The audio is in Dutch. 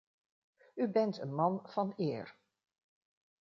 U bent een man van eer.